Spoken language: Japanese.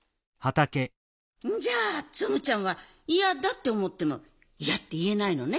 じゃあツムちゃんはいやだっておもってもいやっていえないのね？